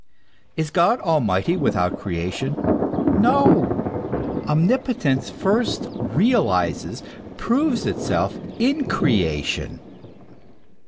Is God almighty without creation? No ! Omnipotence first realizes, proves itself in creation.